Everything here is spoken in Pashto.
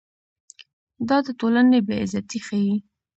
دا د ټولنې بې عزتي ښيي.